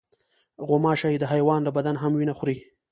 غوماشې د حیوان له بدن هم وینه خوري.